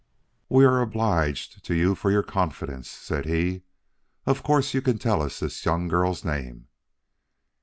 "We are obliged to you for your confidence," said he. "Of course you can tell us this young girl's name."